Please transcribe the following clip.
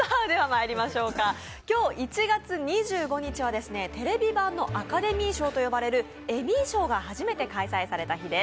今日１月２５日は、テレビ版のアカデミー賞と呼ばれるエミー賞が初めて開催された日です。